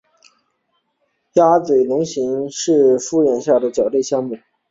鸭嘴龙形类是群衍化的鸟脚下目。